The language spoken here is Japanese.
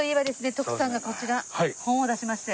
徳さんがこちら本を出しまして。